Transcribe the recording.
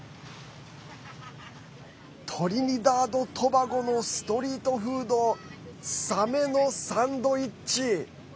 トリニダード・トバゴのストリートフードサメのサンドイッチ。